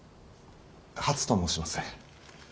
初と申します。